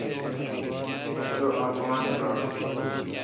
چو اپان نٹ۔